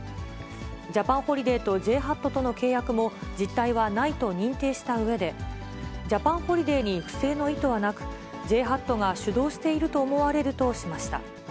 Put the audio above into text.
ジャパンホリデーとＪＨＡＴとの契約も実体はないと認定したうえで、ジャパンホリデーに不正の意図はなく、ＪＨＡＴが主導していると思われるとしました。